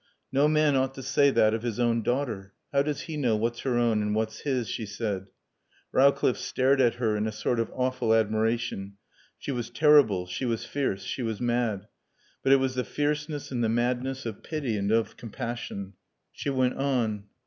"No man ought to say that of his own daughter. How does he know what's her own and what's his?" she said. Rowcliffe stared at her in a sort of awful admiration. She was terrible; she was fierce; she was mad. But it was the fierceness and the madness of pity and of compassion. She went on.